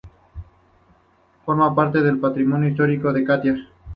Forma parte del patrimonio histórico de Catia.